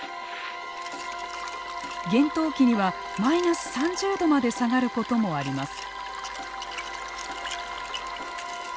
厳冬期にはマイナス３０度まで下がることもあります。